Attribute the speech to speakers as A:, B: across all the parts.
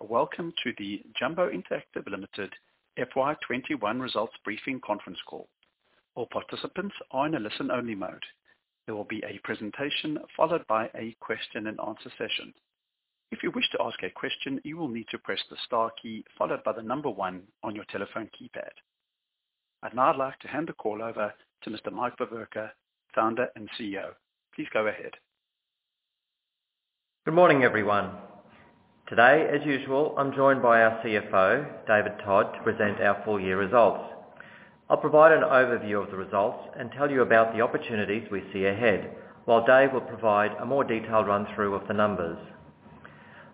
A: Welcome to the Jumbo Interactive Limited FY21 results briefing conference call. All participants are in a listen-only mode. There will be a presentation followed by a question and answer session. If you wish to ask a question, you will need to press the star key followed by the number one on your telephone keypad. I'd now like to hand the call over to Mr. Mike Veverka, Founder and CEO. Please go ahead.
B: Good morning, everyone. Today, as usual, I'm joined by our CFO, David Todd, to present our full year results. I'll provide an overview of the results and tell you about the opportunities we see ahead, while David will provide a more detailed run-through of the numbers.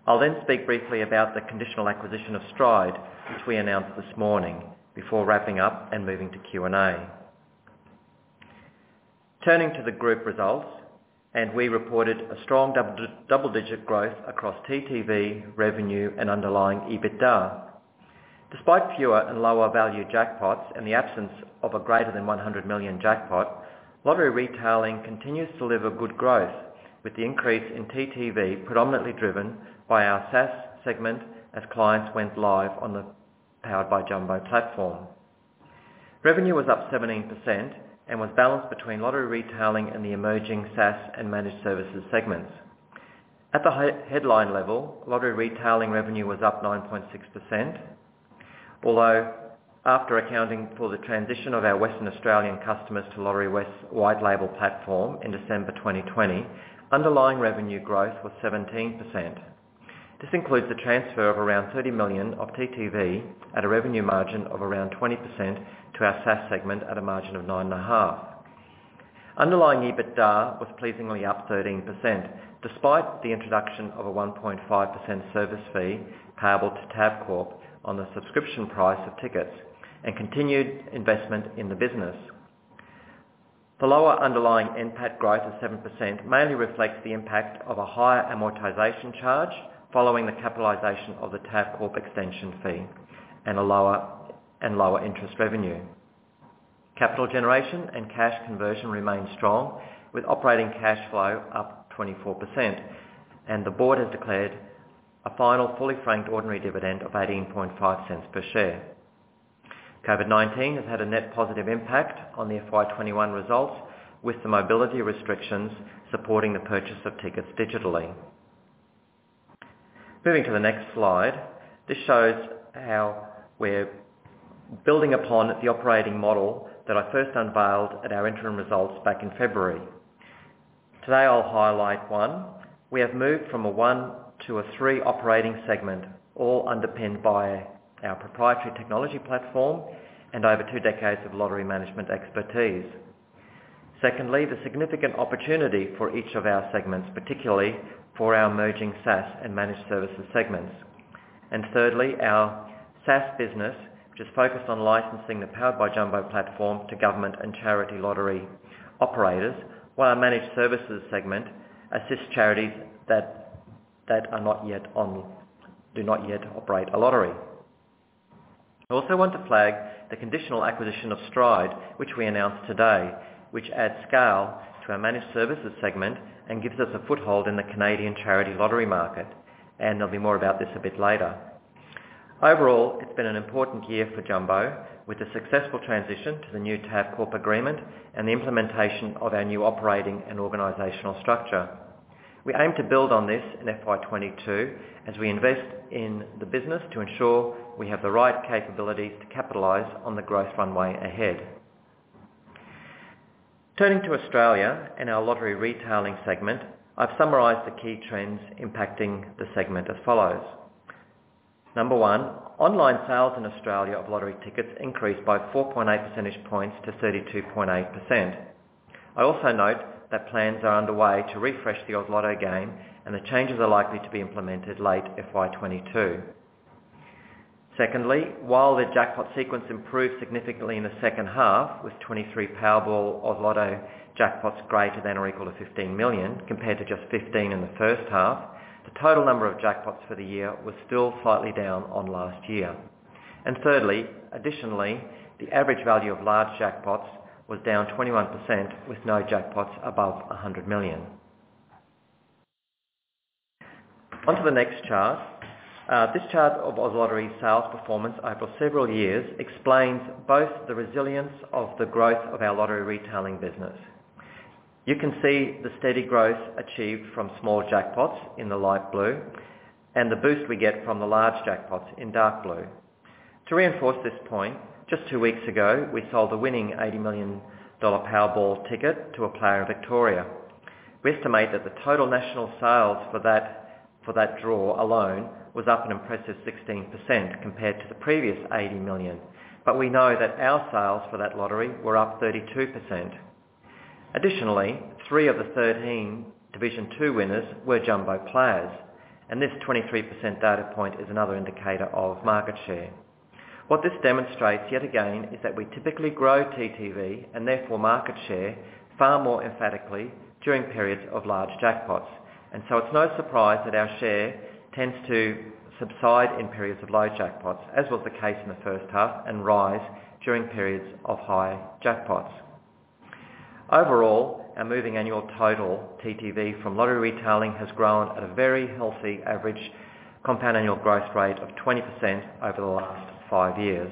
B: I'll speak briefly about the conditional acquisition of Stride, which we announced this morning, before wrapping up and moving to Q&A. Turning to the group results, we reported a strong double-digit growth across TTV, revenue, and underlying EBITDA. Despite fewer and lower-value jackpots and the absence of a greater than 100 million jackpot, Lottery Retailing continues to deliver good growth, With the increase in TTV predominantly driven by our SaaS segment as clients went live on the Powered by Jumbo platform. Revenue was up 17% and was balanced between Lottery Retailing and the emerging SaaS and Managed Services segments. At the headline level, Lottery Retailing revenue was up 9.6%, although after accounting for the transition of our Western Australian customers to Lotterywest's white label platform in December 2020, underlying revenue growth was 17%. This includes the transfer of around 30 million of TTV at a revenue margin of around 20% to our SaaS segment at a margin of 9.5%. Underlying EBITDA was pleasingly up 13%, despite the introduction of a 1.5% service fee payable to Tabcorp on the subscription price of tickets and continued investment in the business. The lower underlying NPAT growth of 7% mainly reflects the impact of a higher amortization charge following the capitalization of the Tabcorp extension fee and lower interest revenue. Capital generation and cash conversion remained strong, with operating cash flow up 24%, and the board has declared a final fully franked ordinary dividend of 0.185 per share. COVID-19 has had a net positive impact on the FY21 results, with the mobility restrictions supporting the purchase of tickets digitally. Moving to the next slide, this shows how we're building upon the operating model that I first unveiled at our interim results back in February. Today, I'll highlight one. We have moved from a one to a three operating segment, all underpinned by our proprietary technology platform and over two decades of lottery management expertise. Secondly, the significant opportunity for each of our segments, particularly for our emerging SaaS and Managed Services segments. Thirdly, our SaaS business, which is focused on licensing the Powered by Jumbo platform to government and charity lottery operators, while our Managed Services segment assists charities that do not yet operate a lottery. I also want to flag the conditional acquisition of Stride, which we announced today, which adds scale to our Managed Services segment and gives us a foothold in the Canadian charity lottery market. There'll be more about this a bit later. Overall, it's been an important year for Jumbo, with the successful transition to the new Tabcorp agreement and the implementation of our new operating and organizational structure. We aim to build on this in FY22 as we invest in the business to ensure we have the right capabilities to capitalize on the growth runway ahead. Turning to Australia and our Lottery Retailing segment, I've summarized the key trends impacting the segment as follows. Number one, online sales in Australia of lottery tickets increased by 4.8 percentage points to 32.8%. I also note that plans are underway to refresh the Oz Lotto game. The changes are likely to be implemented late FY22. Secondly, while the jackpot sequence improved significantly in the second half with 23 Powerball Oz Lotto jackpots greater than or equal to 15 million compared to just 15 in the first half, the total number of jackpots for the year was still slightly down on last year. Thirdly, additionally, the average value of large jackpots was down 21% with no jackpots above 100 million. Onto the next chart. This chart of Oz Lotteries' sales performance over several years explains both the resilience of the growth of our Lottery Retailing business. You can see the steady growth achieved from small jackpots in the light blue and the boost we get from the large jackpots in dark blue. To reinforce this point, just two weeks ago, we sold a winning 80 million dollar Powerball ticket to a player in Victoria. We estimate that the total national sales for that draw alone was up an impressive 16% compared to the previous 80 million. We know that our sales for that lottery were up 32%. Additionally, three of the 13 Division two winners were Jumbo players, and this 23% data point is another indicator of market share. What this demonstrates yet again is that we typically grow TTV, and therefore market share, far more emphatically during periods of large jackpots. It's no surprise that our share tends to subside in periods of low jackpots, as was the case in the first half, and rise during periods of high jackpots. Overall, our moving annual total TTV from Lottery Retailing has grown at a very healthy average compound annual growth rate of 20% over the last five years.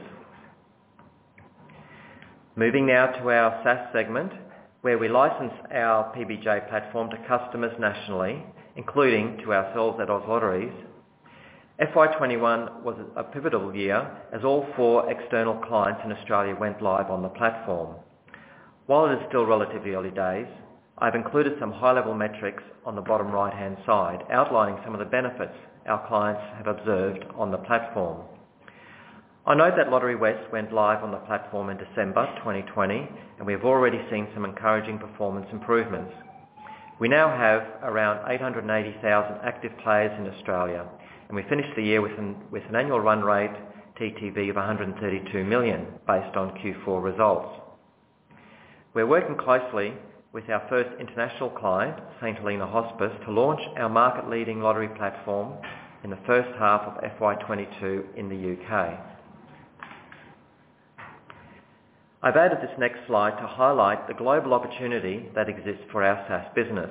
B: Moving now to our SaaS segment, where we license our PBJ platform to customers nationally, including to ourselves at Oz Lotteries. FY 2021 was a pivotal year, as all four external clients in Australia went live on the platform. While it is still relatively early days, I've included some high-level metrics on the bottom right-hand side outlining some of the benefits our clients have observed on the platform. I note that Lotterywest went live on the platform in December 2020, and we have already seen some encouraging performance improvements. We now have around 880,000 active players in Australia, and we finished the year with an annual run rate TTV of 132 million based on Q4 results. We're working closely with our first international client, St Helena Hospice, to launch our market-leading lottery platform in the first half of FY 2022 in the U.K. I've added this next slide to highlight the global opportunity that exists for our SaaS business.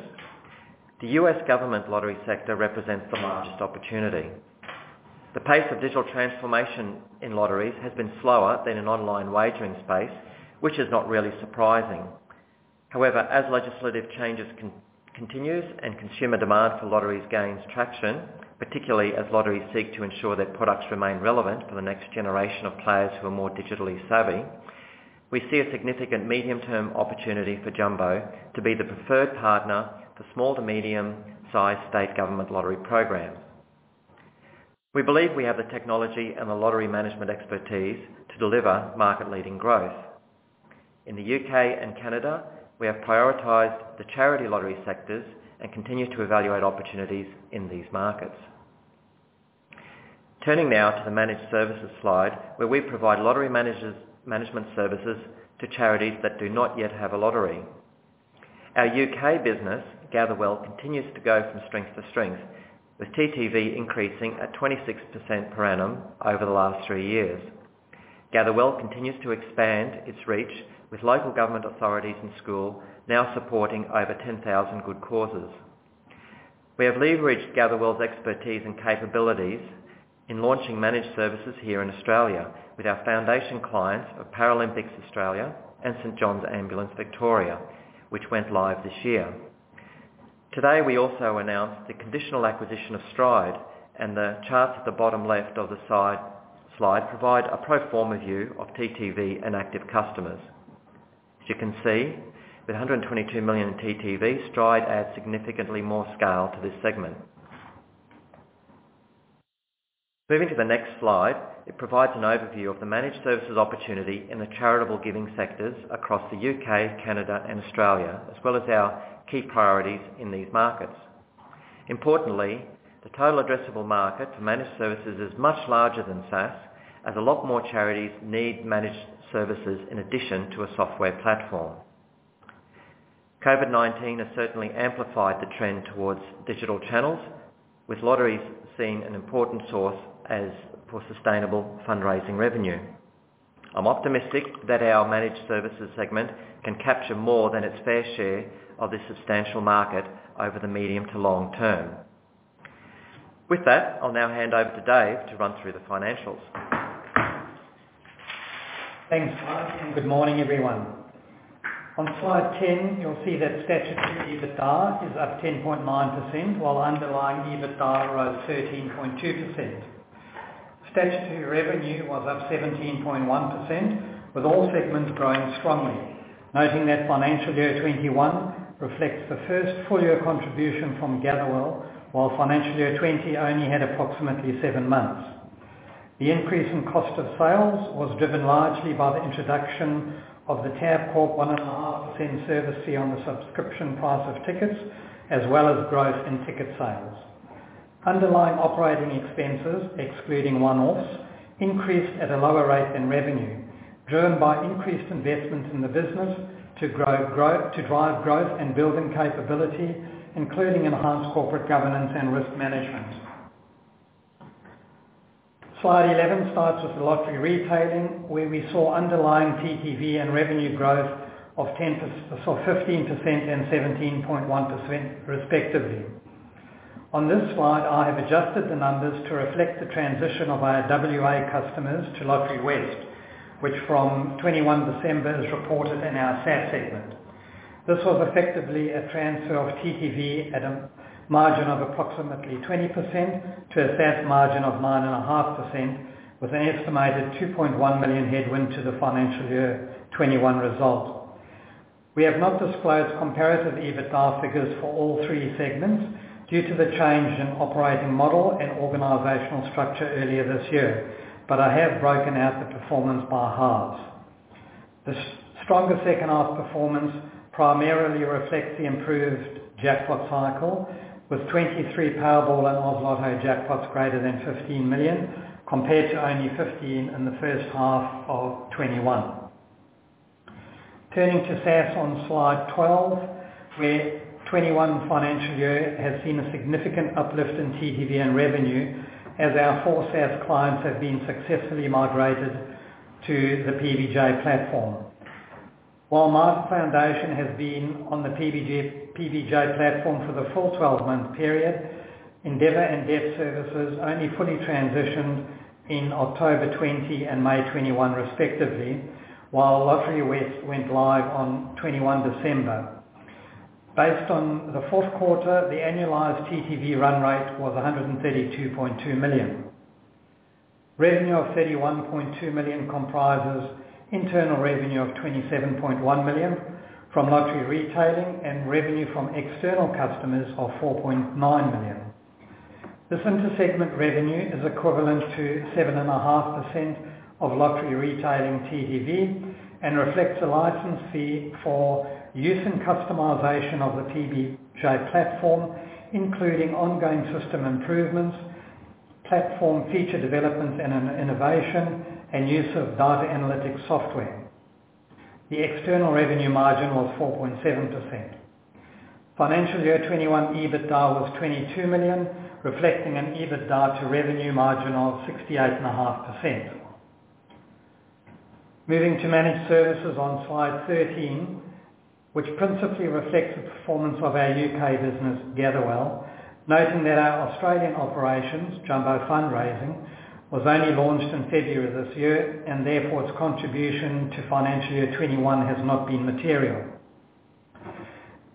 B: The U.S. government lottery sector represents the largest opportunity. The pace of digital transformation in lotteries has been slower than in online wagering space, which is not really surprising. However, as legislative changes continues and consumer demand for lotteries gains traction, particularly as lotteries seek to ensure their products remain relevant for the next generation of players who are more digitally savvy, we see a significant medium-term opportunity for Jumbo to be the preferred partner for small to medium-sized state government lottery programs. We believe we have the technology and the lottery management expertise to deliver market-leading growth. In the U.K. and Canada, we have prioritized the charity lottery sectors and continue to evaluate opportunities in these markets. Turning now to the Managed Services slide, where we provide lottery management services to charities that do not yet have a lottery. Our U.K. business, Gatherwell, continues to go from strength to strength, with TTV increasing at 26% per annum over the last three years. Gatherwell continues to expand its reach with local government authorities and school now supporting over 10,000 good causes. We have leveraged Gatherwell's expertise and capabilities in launching Managed Services here in Australia with our foundation clients of Paralympics Australia and St John Ambulance Victoria, which went live this year. Today, we also announced the conditional acquisition of Stride, and the charts at the bottom left of the slide provide a pro forma view of TTV and active customers. As you can see, with 122 million in TTV, Stride adds significantly more scale to this segment. Moving to the next slide, it provides an overview of the Managed Services opportunity in the charitable giving sectors across the U.K., Canada, and Australia, as well as our key priorities in these markets. Importantly, the total addressable market to Managed Services is much larger than SaaS, as a lot more charities need Managed Services in addition to a software platform. COVID-19 has certainly amplified the trend towards digital channels, with lotteries seen as an important source for sustainable fundraising revenue. I'm optimistic that our Managed Services segment can capture more than its fair share of this substantial market over the medium to long term. With that, I'll now hand over to David to run through the financials.
C: Thanks, Mike, and good morning, everyone. On slide 10, you'll see that statutory EBITDA is up 10.9%, while underlying EBITDA rose 13.2%. Statutory revenue was up 17.1%, with all segments growing strongly, noting that financial year 2021 reflects the first full-year contribution from Gatherwell, while financial year 2020 only had approximately seven months. The increase in cost of sales was driven largely by the introduction of the Tabcorp 1.5% service fee on the subscription price of tickets, as well as growth in ticket sales. Underlying operating expenses, excluding one-offs, increased at a lower rate than revenue, driven by increased investments in the business to drive growth and building capability, including enhanced corporate governance and risk management. Slide 11 starts with Lottery Retailing, where we saw underlying TTV and revenue growth of 15% and 17.1%, respectively. On this slide, I have adjusted the numbers to reflect the transition of our WA customers to Lotterywest, which from 21st December is reported in our SaaS segment. This was effectively a transfer of TTV at a margin of approximately 20% to a SaaS margin of 9.5%, with an estimated 2.1 million headwind to the FY 2021 result. We have not disclosed comparative EBITDA figures for all three segments due to the change in operating model and organizational structure earlier this year, but I have broken out the performance by halves. The stronger second half performance primarily reflects the improved jackpot cycle, with 23 Powerball and Oz Lotto jackpots greater than 15 million, compared to only 15 in the first half of 2021. Turning to SaaS on slide 12, where 2021 financial year has seen a significant uplift in TTV and revenue as our four SaaS clients have been successfully migrated to the PBJ platform. While Mater Foundation has been on the PBJ platform for the full 12-month period, Endeavour and Deaf Services only fully transitioned in October 2020 and May 2021 respectively, while Lotterywest went live on 21st December. Based on the fourth quarter, the annualized TTV run rate was 132.2 million. Revenue of 31.2 million comprises internal revenue of 27.1 million from Lottery Retailing and revenue from external customers of 4.9 million. This inter-segment revenue is equivalent to 7.5% of Lottery Retailing TTV and reflects a license fee for use and customization of the PBJ platform, including ongoing system improvements, platform feature developments and innovation, and use of data analytics software. The external revenue margin was 4.7%. Financial year 2021 EBITDA was 22 million, reflecting an EBITDA to revenue margin of 68.5%. Moving to Managed Services on slide 13, which principally reflects the performance of our U.K. business, Gatherwell. Noting that our Australian operations, Jumbo Fundraising, was only launched in February this year, and therefore its contribution to financial year 2021 has not been material.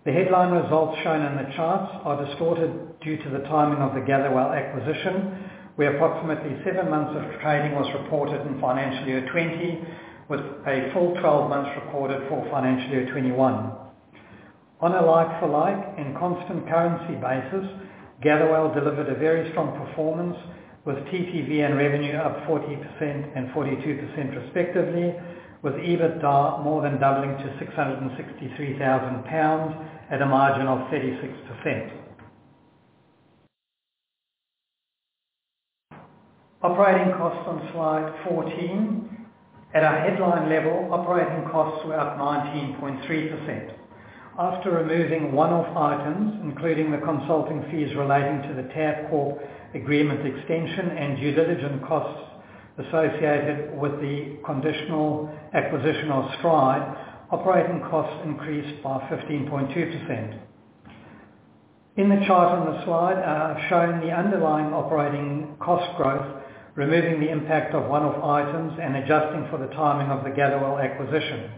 C: The headline results shown in the charts are distorted due to the timing of the Gatherwell acquisition, where approximately 7 months of trading was reported in financial year 2020, with a full 12 months reported for financial year 2021. On a like-for-like and constant currency basis, Gatherwell delivered a very strong performance with TTV and revenue up 40% and 42% respectively, with EBITDA more than doubling to 663,000 pounds at a margin of 36%. Operating costs on slide 14. At a headline level, operating costs were up 19.3%. After removing one-off items, including the consulting fees relating to the Tabcorp agreement extension and due diligence costs associated with the conditional acquisition of Stride, operating costs increased by 15.2%. In the chart on the slide, I have shown the underlying operating cost growth, removing the impact of one-off items and adjusting for the timing of the Gatherwell acquisition.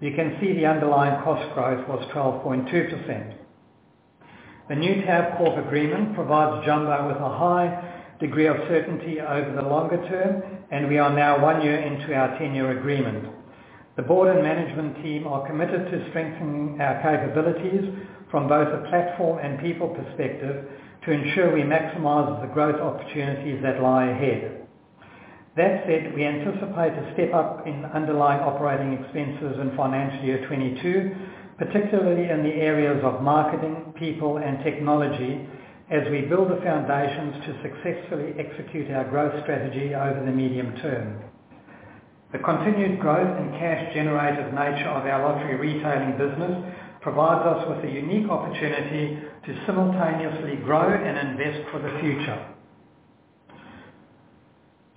C: You can see the underlying cost growth was 12.2%. The new Tabcorp agreement provides Jumbo with a high degree of certainty over the longer term, and we are now one year into our 10-year agreement. The board and management team are committed to strengthening our capabilities from both a platform and people perspective to ensure we maximize the growth opportunities that lie ahead. That said, we anticipate a step-up in underlying operating expenses in FY 2022, particularly in the areas of marketing, people, and technology as we build the foundations to successfully execute our growth strategy over the medium term. The continued growth and cash generative nature of our Lottery Retailing business provides us with a unique opportunity to simultaneously grow and invest for the future.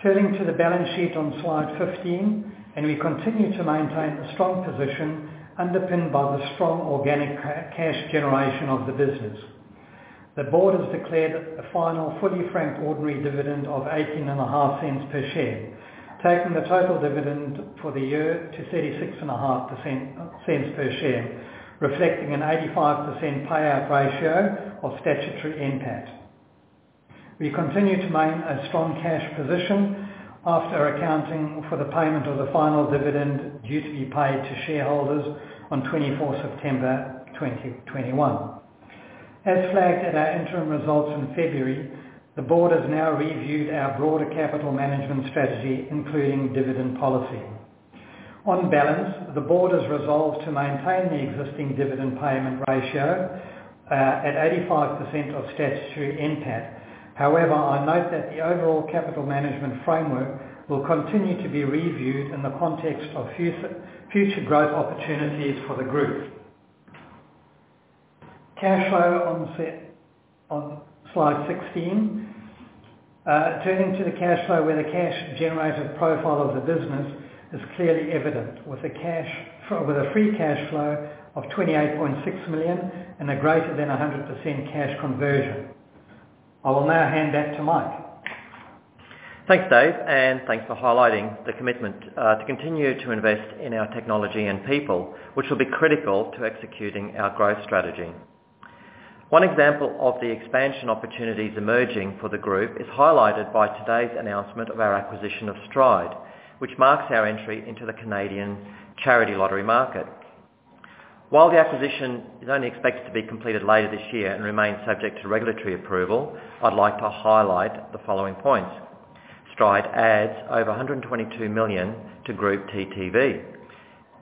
C: Turning to the balance sheet on slide 15, we continue to maintain a strong position underpinned by the strong organic cash generation of the business. The board has declared a final fully franked ordinary dividend of 0.185 per share, taking the total dividend for the year to 0.365 per share, reflecting an 85% payout ratio of statutory NPAT. We continue to maintain a strong cash position after accounting for the payment of the final dividend due to be paid to shareholders on 24th September 2021. As flagged at our interim results in February, the board has now reviewed our broader capital management strategy, including dividend policy. On balance, the board has resolved to maintain the existing dividend payment ratio at 85% of statutory NPAT. I note that the overall capital management framework will continue to be reviewed in the context of future growth opportunities for the group. Cash flow on slide 16. Turning to the cash flow, where the cash generative profile of the business is clearly evident with a free cash flow of 28.6 million and a greater than 100% cash conversion. I will now hand back to Mike.
B: Thanks, David, thanks for highlighting the commitment to continue to invest in our technology and people, which will be critical to executing our growth strategy. One example of the expansion opportunities emerging for the group is highlighted by today's announcement of our acquisition of Stride, which marks our entry into the Canadian charity lottery market. While the acquisition is only expected to be completed later this year and remains subject to regulatory approval, I'd like to highlight the following points. Stride adds over 122 million to group TTV.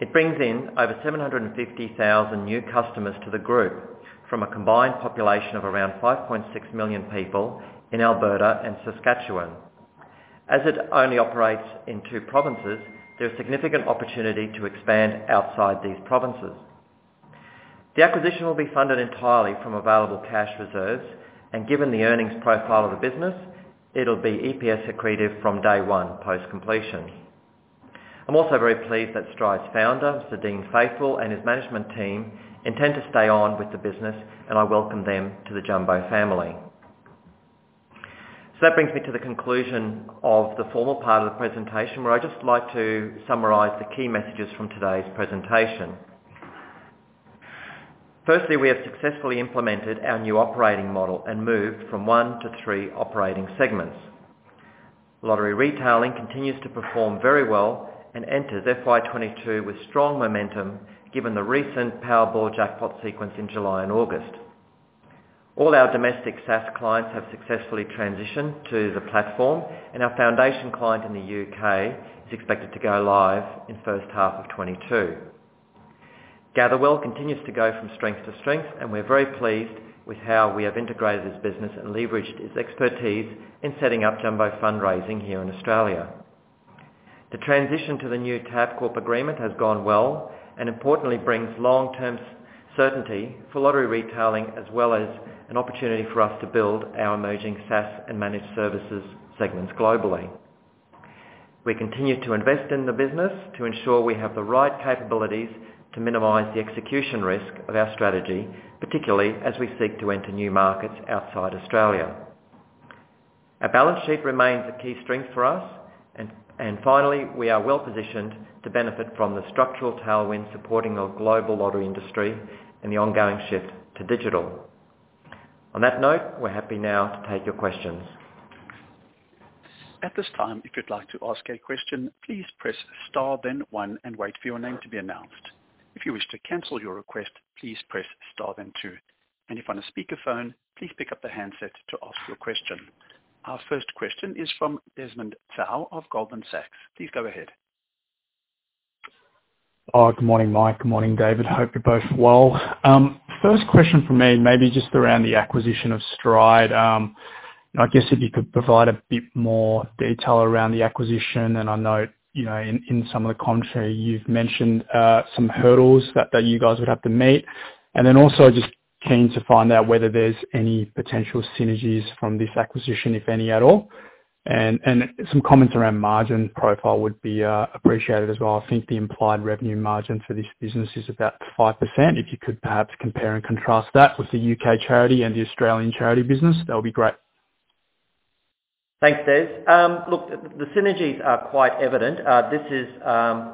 B: It brings in over 750,000 new customers to the group from a combined population of around 5.6 million people in Alberta and Saskatchewan. As it only operates in two provinces, there's significant opportunity to expand outside these provinces. The acquisition will be funded entirely from available cash reserves, and given the earnings profile of the business, it will be EPS accretive from day one post-completion. I am also very pleased that Stride's founder, Dean Faithfull, and his management team intend to stay on with the business, and I welcome them to the Jumbo family. That brings me to the conclusion of the formal part of the presentation, where I would just like to summarize the key messages from today's presentation. Firstly, we have successfully implemented our new operating model and moved from one to three operating segments. Lottery Retailing continues to perform very well and enters FY 2022 with strong momentum, given the recent Powerball jackpot sequence in July and August. All our domestic SaaS clients have successfully transitioned to the platform, and our foundation client in the U.K. is expected to go live in the first half of 2022. Gatherwell continues to go from strength to strength, and we're very pleased with how we have integrated this business and leveraged its expertise in setting up Jumbo Fundraising here in Australia. The transition to the new Tabcorp agreement has gone well, and importantly brings long-term certainty for Lottery Retailing, as well as an opportunity for us to build our emerging SaaS and Managed Services segments globally. We continue to invest in the business to ensure we have the right capabilities to minimize the execution risk of our strategy, particularly as we seek to enter new markets outside Australia. Our balance sheet remains a key strength for us. Finally, we are well-positioned to benefit from the structural tailwind supporting our global lottery industry and the ongoing shift to digital. On that note, we're happy now to take your questions.
A: Our first question is from Desmond Tsao of Goldman Sachs. Please go ahead.
D: Good morning, Mike. Good morning, David. Hope you're both well. First question from me, maybe just around the acquisition of Stride. I guess if you could provide a bit more detail around the acquisition, I know in some of the commentary, you've mentioned some hurdles that you guys would have to meet. Also just keen to find out whether there's any potential synergies from this acquisition, if any at all. Some comments around margin profile would be appreciated as well. I think the implied revenue margin for this business is about 5%. If you could perhaps compare and contrast that with the U.K. charity and the Australian charity business, that would be great.
B: Thanks, Desmond. Look, the synergies are quite evident. This is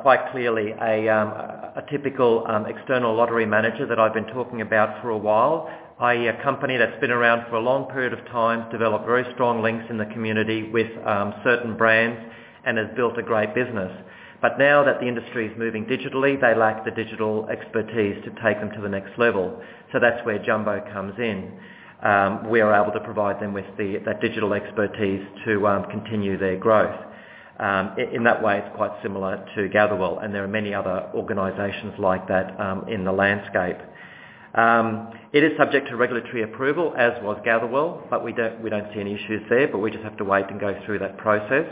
B: quite clearly a typical external lottery manager that I've been talking about for a while, i.e., a company that's been around for a long period of time, developed very strong links in the community with certain brands, and has built a great business. Now that the industry is moving digitally, they lack the digital expertise to take them to the next level. That's where Jumbo comes in. We are able to provide them with that digital expertise to continue their growth. In that way, it's quite similar to Gatherwell, and there are many other organizations like that in the landscape. It is subject to regulatory approval, as was Gatherwell, but we don't see any issues there, but we just have to wait and go through that process.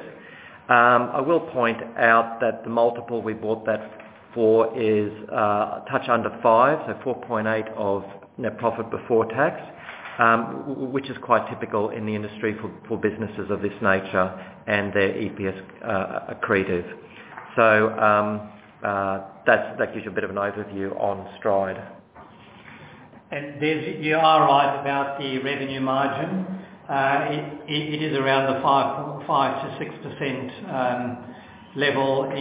B: I will point out that the multiple we bought that for is a touch under 5, so 4.8 of net profit before tax, which is quite typical in the industry for businesses of this nature and their EPS accretive. That gives you a bit of an overview on Stride.
C: Desmond, you are right about the revenue margin. It is around the 5%-6% level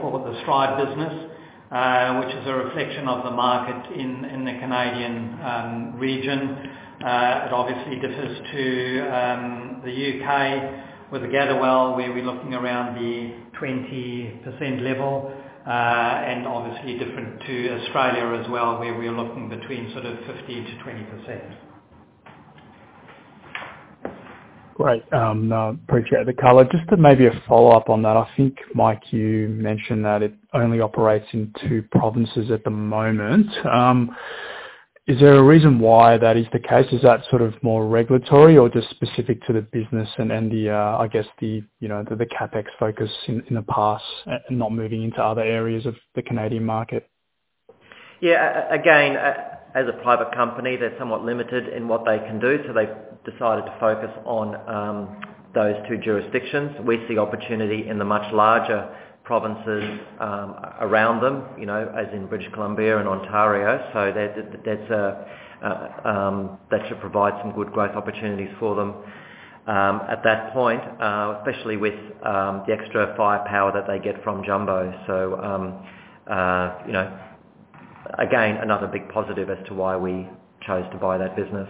C: for the Stride business, which is a reflection of the market in the Canadian region. It obviously differs to the U.K. with Gatherwell, where we're looking around the 20% level. Obviously different to Australia as well, where we're looking between 15%-20%.
D: Great. Appreciate the color. Maybe a follow-up on that. I think, Mike, you mentioned that it only operates in two provinces at the moment. Is there a reason why that is the case? Is that more regulatory or just specific to the business and I guess the CapEx focus in the past and not moving into other areas of the Canadian market?
B: Yeah. Again, as a private company, they're somewhat limited in what they can do. They've decided to focus on those two jurisdictions. We see opportunity in the much larger provinces around them, as in British Columbia and Ontario. That should provide some good growth opportunities for them at that point, especially with the extra firepower that they get from Jumbo. Again, another big positive as to why we chose to buy that business.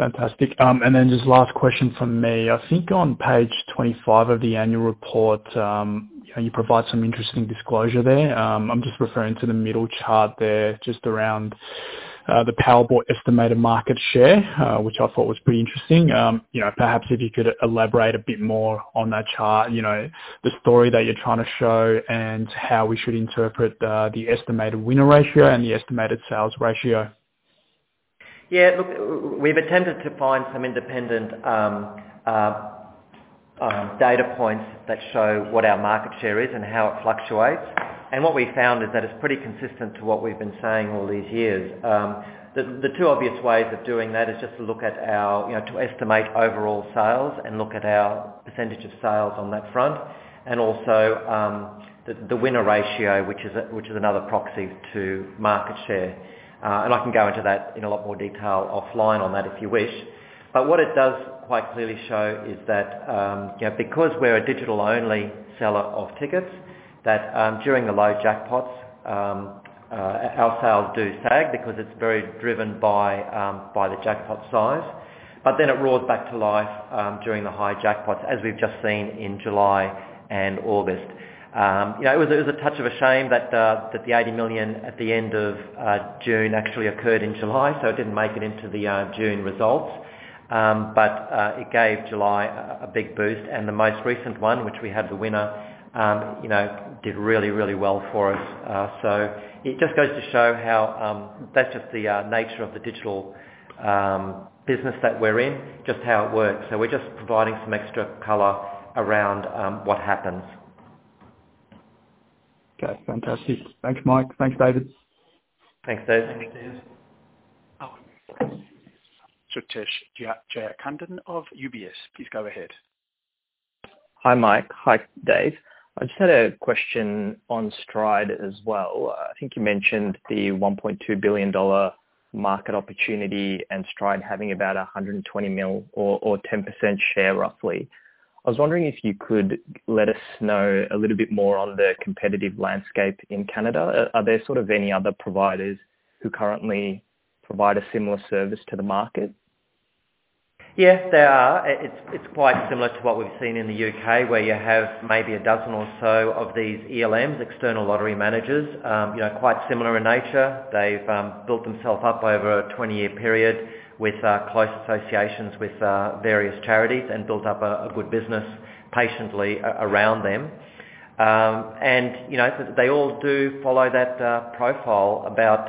D: Fantastic. Then just last question from me. I think on page 25 of the annual report, you provide some interesting disclosure there. I'm just referring to the middle chart there, just around the Powerball estimated market share, which I thought was pretty interesting. Perhaps if you could elaborate a bit more on that chart, the story that you're trying to show and how we should interpret the estimated winner ratio and the estimated sales ratio.
B: Yeah. Look, we've attempted to find some independent data points that show what our market share is and how it fluctuates. What we found is that it's pretty consistent to what we've been saying all these years. The two obvious ways of doing that is just to estimate overall sales and look at our percentage of sales on that front. Also, the winner ratio, which is another proxy to market share. I can go into that in a lot more detail offline on that if you wish. What it does quite clearly show is that, because we're a digital-only seller of tickets, that during the low jackpots, our sales do sag because it's very driven by the jackpot size. Then it roars back to life during the high jackpots, as we've just seen in July and August. It was a touch of a shame that the 80 million at the end of June actually occurred in July, so it didn't make it into the June results. It gave July a big boost, and the most recent one, which we had the winner, did really well for us. It just goes to show how that's just the nature of the digital business that we're in, just how it works. We're just providing some extra color around what happens.
D: Okay. Fantastic. Thanks, Mike. Thanks, David.
B: Thanks, David.
D: Thanks, David.
A: Our next question is Rohan Gallagher of UBS. Please go ahead.
E: Hi, Mike. Hi, David. I just had a question on Stride as well. I think you mentioned the 1.2 billion dollar market opportunity and Stride having about 120 million or 10% share roughly. I was wondering if you could let us know a little bit more on the competitive landscape in Canada. Are there sort of any other providers who currently provide a similar service to the market?
B: Yes, there are. It's quite similar to what we've seen in the U.K. where you have maybe 12 or so of these ELMs, external lottery managers. Quite similar in nature. They've built themselves up over a 20-year period with close associations with various charities and built up a good business patiently around them. They all do follow that profile about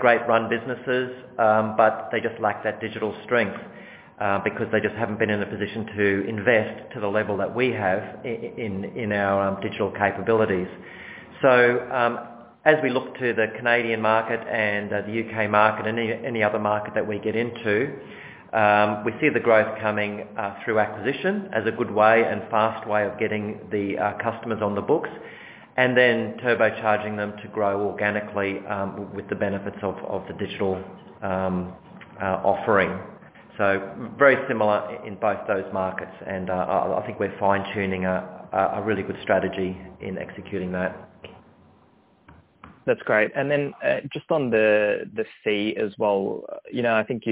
B: great run businesses, but they just lack that digital strength because they just haven't been in a position to invest to the level that we have in our digital capabilities. As we look to the Canadian market and the U.K. market, any other market that we get into, we see the growth coming through acquisition as a good way and fast way of getting the customers on the books, and then turbocharging them to grow organically with the benefits of the digital offering. Very similar in both those markets, and I think we're fine-tuning a really good strategy in executing that.
E: That's great. Just on the fee as well. I think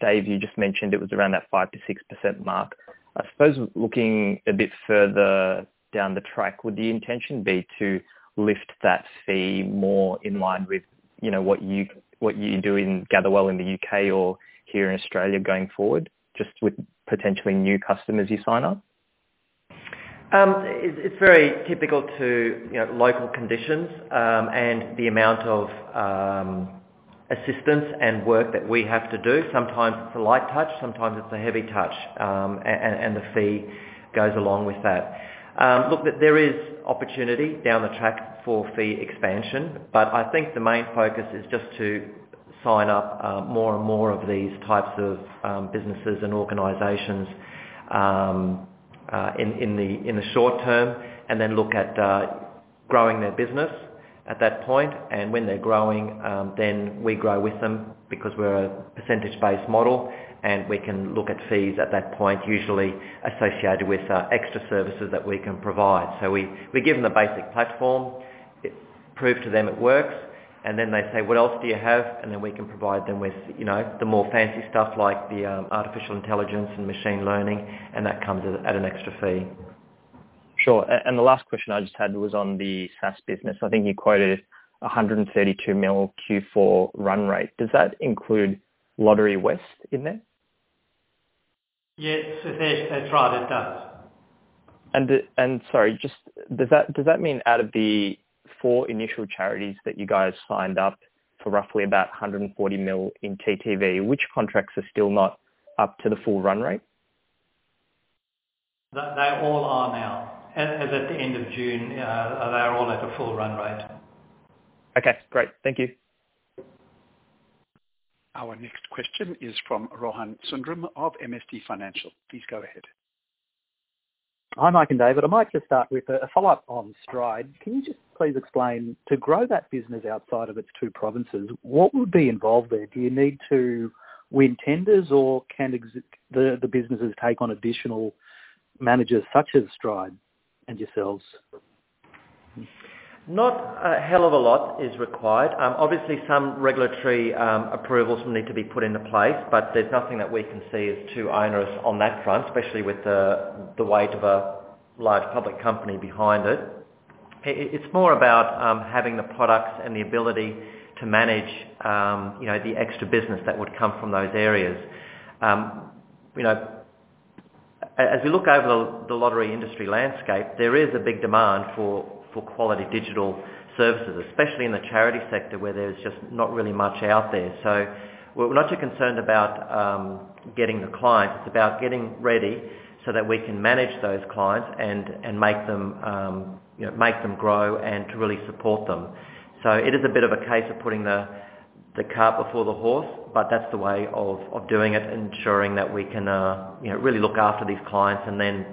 E: David, you just mentioned it was around that 5%-6% mark. I suppose looking a bit further down the track, would the intention be to lift that fee more in line with what you do in Gatherwell in the U.K. or here in Australia going forward, just with potentially new customers you sign up?
B: It's very typical to local conditions, and the amount of assistance and work that we have to do. Sometimes it's a light touch, sometimes it's a heavy touch, and the fee goes along with that. Look, there is opportunity down the track for fee expansion, but I think the main focus is just to sign up more and more of these types of businesses and organizations in the short term, and then look at growing their business at that point. When they're growing, then we grow with them because we're a percentage-based model, and we can look at fees at that point, usually associated with extra services that we can provide. We give them the basic platform, prove to them it works, and then they say, "What else do you have?" Then we can provide them with the more fancy stuff like the artificial intelligence and machine learning, and that comes at an extra fee.
E: Sure. The last question I just had was on the SaaS business. I think you quoted 132 million Q4 run rate. Does that include Lotterywest in there?
B: Yes, that's right. It does.
E: Sorry, does that mean out of the 4 initial charities that you guys signed up for roughly about 140 million in TTV, which contracts are still not up to the full run rate?
B: They all are now. As at the end of June, they are all at the full run rate.
E: Okay, great. Thank you.
A: Our next question is from Rohan Sundram of MST Marquee. Please go ahead.
F: Hi, Mike and David. I might just start with a follow-up on Stride. Can you just please explain, to grow that business outside of its two provinces, what would be involved there? Do you need to win tenders, or can the businesses take on additional managers such as Stride and yourselves?
B: Not a hell of a lot is required. Obviously some regulatory approvals will need to be put into place, there's nothing that we can see as too onerous on that front, especially with the weight of a large public company behind it. It's more about having the products and the ability to manage the extra business that would come from those areas. As we look over the lottery industry landscape, there is a big demand for quality digital services, especially in the charity sector where there's just not really much out there. We're not too concerned about getting the clients. It's about getting ready so that we can manage those clients and make them grow and to really support them. It is a bit of a case of putting the cart before the horse, but that's the way of doing it and ensuring that we can really look after these clients and then,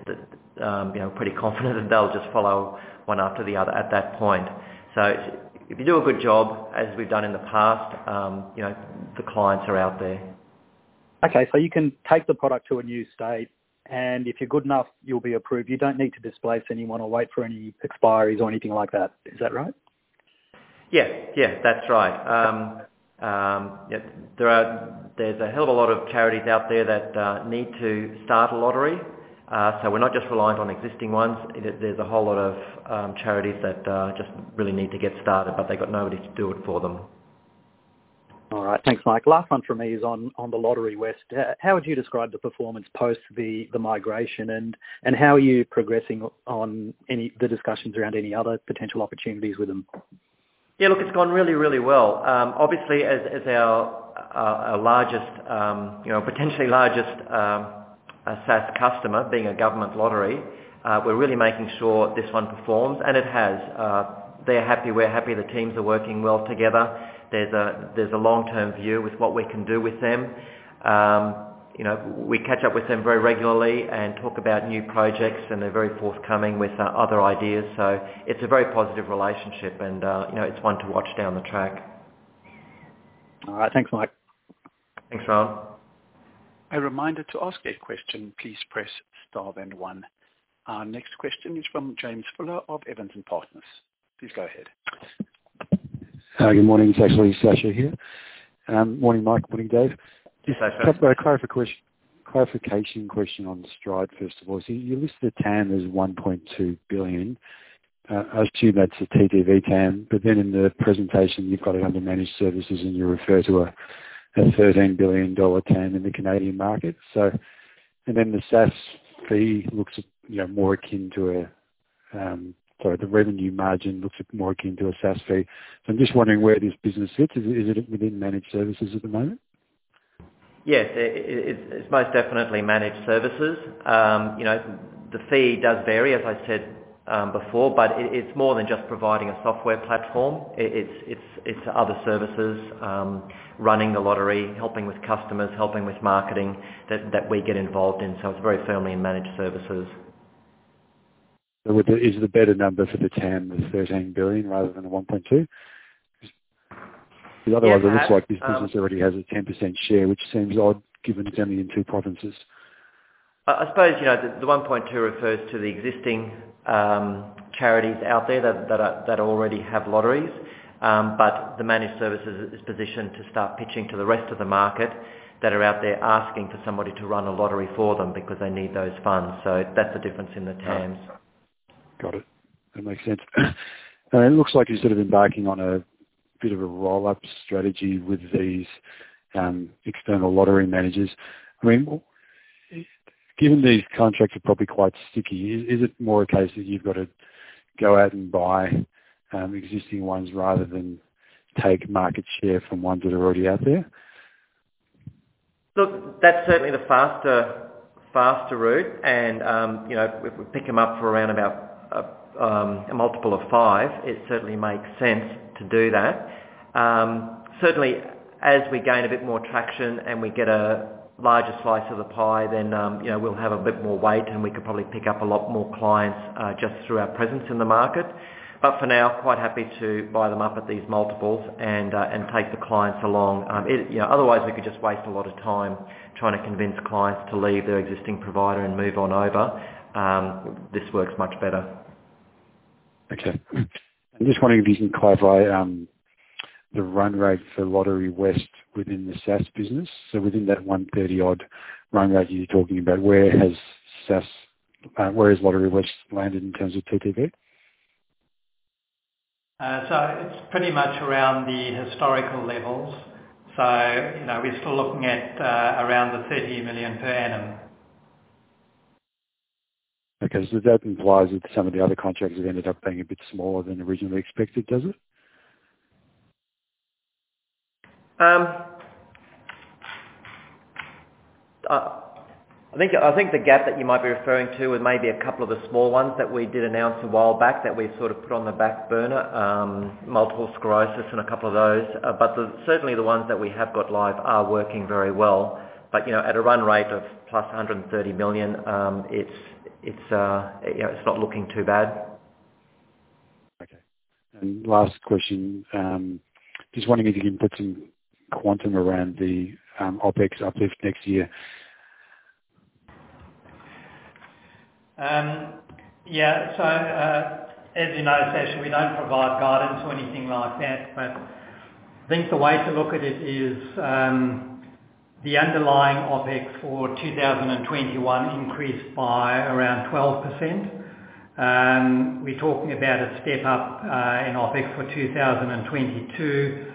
B: pretty confident that they'll just follow one after the other at that point. If you do a good job as we've done in the past, the clients are out there.
F: Okay, you can take the product to a new state, and if you're good enough, you'll be approved. You don't need to displace anyone or wait for any expiries or anything like that. Is that right?
B: Yes. That's right. There's a hell of a lot of charities out there that need to start a lottery. We're not just reliant on existing ones. There's a whole lot of charities that just really need to get started, but they got nobody to do it for them.
F: All right. Thanks, Mike. Last one from me is on the Lotterywest. How would you describe the performance post the migration and how are you progressing on the discussions around any other potential opportunities with them?
B: Yeah, look, it's gone really well. Obviously, as our potentially largest SaaS customer, being a government lottery, we're really making sure this one performs and it has. They're happy, we're happy. The teams are working well together. There's a long-term view with what we can do with them. We catch up with them very regularly and talk about new projects, and they're very forthcoming with other ideas. It's a very positive relationship and it's one to watch down the track.
F: All right. Thanks, Mike.
B: Thanks, Rohan.
A: To remind to ask a question please press star then one, Our next question is from James Fuller of Evans and Partners. Please go ahead.
G: Good morning. It's actually Sacha here. Morning, Mike. Morning, David.
B: Yes, sir.
G: Just got a clarification question on Stride, first of all. You listed the TAM as 1.2 billion. I assume that's a TTV TAM, but then in the presentation you've got it under Managed Services and you refer to a 13 billion dollar TAM in the Canadian market. The revenue margin looks more akin to a SaaS fee. I'm just wondering where this business sits. Is it within Managed Services at the moment?
B: Yes, it's most definitely Managed Services. The fee does vary, as I said before, but it's more than just providing a software platform. It's other services, running the lottery, helping with customers, helping with marketing that we get involved in. It's very firmly in Managed Services.
G: Is the better number for the TAM the 13 billion rather than the 1.2 billion?
B: Yeah
G: It looks like this business already has a 10% share, which seems odd given it is only in 2 provinces.
B: I suppose, the 1.2 refers to the existing charities out there that already have lotteries. The Managed Services is positioned to start pitching to the rest of the market that are out there asking for somebody to run a lottery for them because they need those funds. That's the difference in the TAMs.
G: Got it. That makes sense. It looks like you're sort of embarking on a bit of a roll-up strategy with these external lottery managers. Given these contracts are probably quite sticky, is it more a case that you've got to go out and buy existing ones rather than take market share from ones that are already out there?
B: Look, that's certainly the faster route and if we pick them up for around about a multiple of five, it certainly makes sense to do that. Certainly, as we gain a bit more traction and we get a larger slice of the pie, then we'll have a bit more weight, and we could probably pick up a lot more clients, just through our presence in the market. For now, quite happy to buy them up at these multiples and take the clients along. Otherwise, we could just waste a lot of time trying to convince clients to leave their existing provider and move on over. This works much better.
G: I'm just wondering if you can clarify the run rate for Lotterywest within the SaaS business. Within that 130 odd run rate you're talking about, where has Lotterywest landed in terms of TTV?
B: It's pretty much around the historical levels. We're still looking at around the 30 million per annum.
G: Okay. That implies that some of the other contracts have ended up being a bit smaller than originally expected, does it?
B: I think the gap that you might be referring to is maybe a couple of the small ones that we did announce a while back that we've sort of put on the back burner, Multiple Sclerosis Society and a couple of those. Certainly the ones that we have got live are working very well. At a run rate of +130 million, it's not looking too bad.
G: Okay. Last question, just wondering if you can put some quantum around the OpEx uplift next year?
C: Yeah. As you know, Sacha, we don't provide guidance or anything like that. I think the way to look at it is, the underlying OpEx for 2021 increased by around 12%. We're talking about a step up in OpEx for 2022.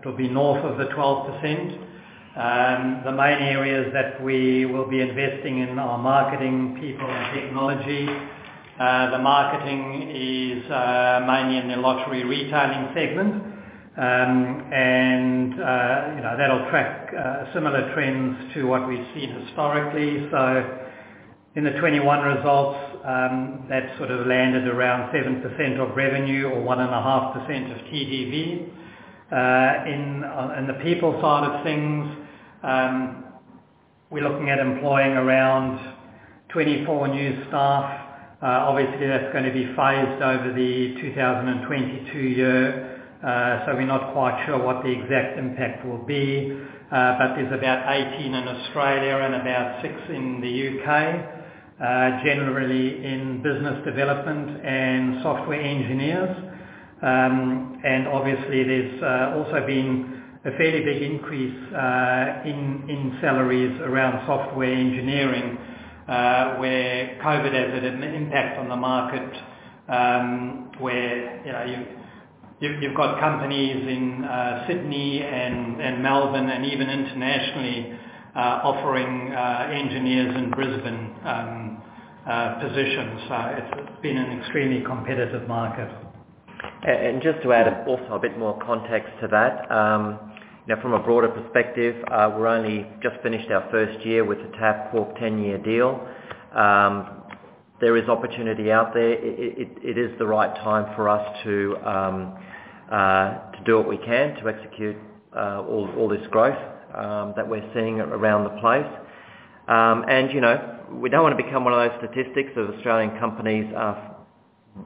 C: It'll be north of 12%. The main areas that we will be investing in are marketing, people, and technology. The marketing is mainly in the Lottery Retailing segment. That'll track similar trends to what we've seen historically. In the 2021 results, that sort of landed around 7% of revenue or 1.5% of TTV. In the people side of things, we're looking at employing around 24 new staff. Obviously, that's going to be phased over the 2022 year, so we're not quite sure what the exact impact will be. There's about 18 in Australia and about six in the U.K., generally in business development and software engineers. Obviously, there's also been a fairly big increase in salaries around software engineering, where COVID has had an impact on the market, where you've got companies in Sydney and Melbourne and even internationally offering engineers in Brisbane positions. It's been an extremely competitive market.
B: Just to add also a bit more context to that. From a broader perspective, we've only just finished our first year with the Tabcorp 10-year deal. There is opportunity out there. It is the right time for us to do what we can to execute all this growth that we're seeing around the place. We don't want to become one of those statistics of Australian companies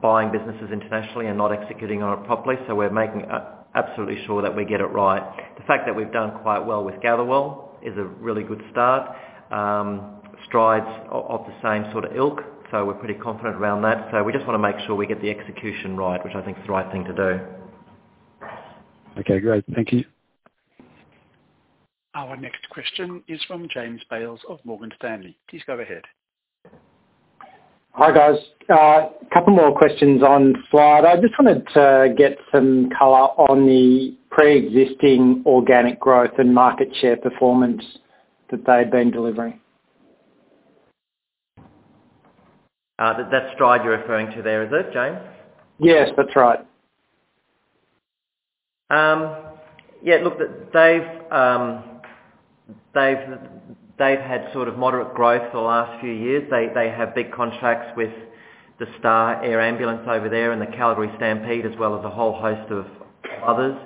B: buying businesses internationally and not executing on it properly. We're making absolutely sure that we get it right. The fact that we've done quite well with Gatherwell is a really good start. Stride's of the same sort of ilk, we're pretty confident around that. We just want to make sure we get the execution right, which I think is the right thing to do.
G: Okay, great. Thank you.
A: Our next question is from James Bales of Morgan Stanley. Please go ahead.
H: Hi, guys. A couple more questions on Stride. I just wanted to get some color on the preexisting organic growth and market share performance that they've been delivering.
B: That's Stride you're referring to there, is it, James?
H: Yes, that's right.
B: Look, they've had sort of moderate growth for the last few years. They have big contracts with the STARS Air Ambulance over there and the Calgary Stampede, as well as a whole host of others.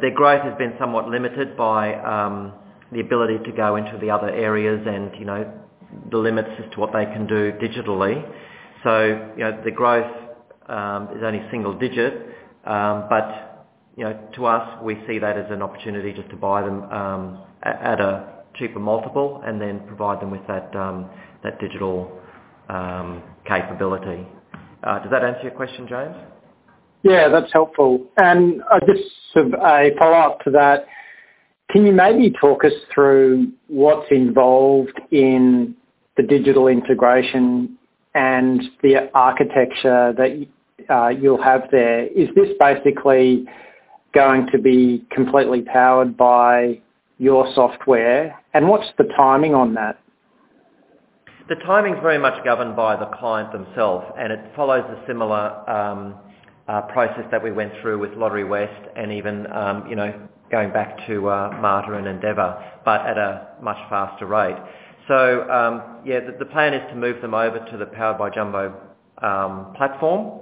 B: Their growth has been somewhat limited by the ability to go into the other areas and the limits as to what they can do digitally. The growth is only single digit. To us, we see that as an opportunity just to buy them at a cheaper multiple and then provide them with that digital capability. Does that answer your question, James?
H: Yeah, that's helpful. Just a follow-up to that. Can you maybe talk us through what's involved in the digital integration and the architecture that you'll have there? Is this basically going to be completely powered by your software? What's the timing on that?
B: The timing's very much governed by the client themselves, and it follows a similar process that we went through with Lotterywest and even going back to Mater and Endeavour, but at a much faster rate. Yeah, the plan is to move them over to the Powered by Jumbo platform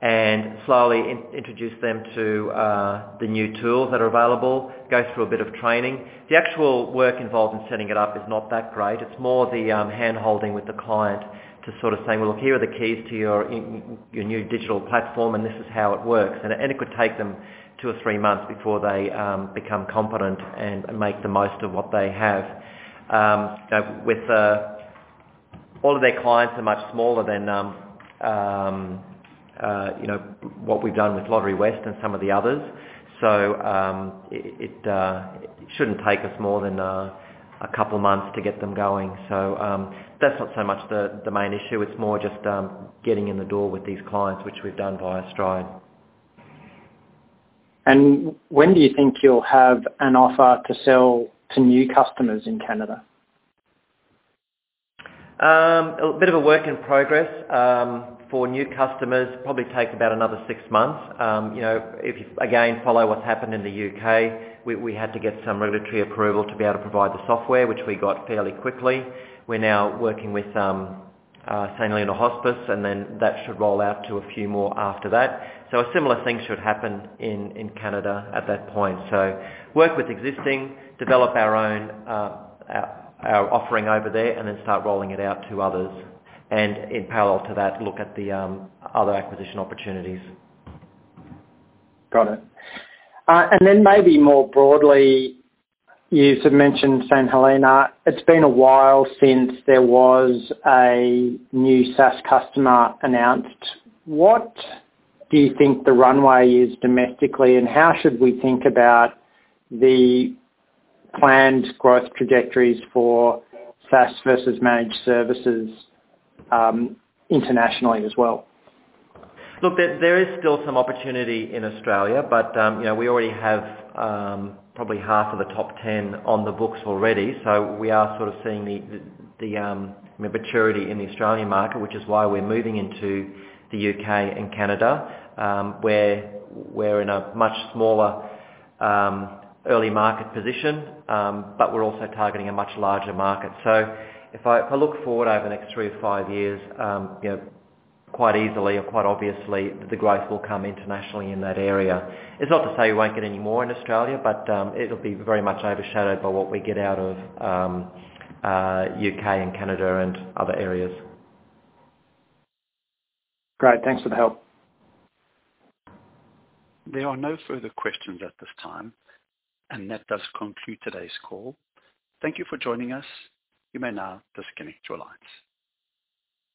B: and slowly introduce them to the new tools that are available, go through a bit of training. The actual work involved in setting it up is not that great. It's more the handholding with the client to sort of say, "Well, look, here are the keys to your new digital platform, and this is how it works." It could take them two or three months before they become competent and make the most of what they have. All of their clients are much smaller than what we've done with Lotterywest and some of the others. It shouldn't take us more than a couple of months to get them going. That's not so much the main issue. It's more just getting in the door with these clients, which we've done via Stride.
H: When do you think you'll have an offer to sell to new customers in Canada?
B: A bit of a work in progress. For new customers, probably take about another six months. If you, again, follow what's happened in the U.K., we had to get some regulatory approval to be able to provide the software, which we got fairly quickly. We're now working with St Helena Hospice, and then that should roll out to a few more after that. A similar thing should happen in Canada at that point. Work with existing, develop our own offering over there, and then start rolling it out to others. In parallel to that, look at the other acquisition opportunities.
H: Got it. Maybe more broadly, you sort of mentioned St Helena. It's been a while since there was a new SaaS customer announced. What do you think the runway is domestically, and how should we think about the planned growth trajectories for SaaS versus Managed Services internationally as well?
B: Look, there is still some opportunity in Australia, but we already have probably half of the top 10 on the books already. We are sort of seeing the maturity in the Australian market, which is why we're moving into the U.K. and Canada, where we're in a much smaller early market position. We're also targeting a much larger market. If I look forward over the next three to five years, quite easily or quite obviously, the growth will come internationally in that area. It's not to say we won't get any more in Australia, but it'll be very much overshadowed by what we get out of U.K. and Canada and other areas.
H: Great. Thanks for the help.
A: There are no further questions at this time. That does conclude today's call. Thank you for joining us. You may now disconnect your lines.